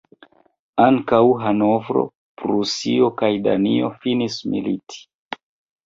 Ankaŭ Hanovro, Prusio kaj Danio finis militi.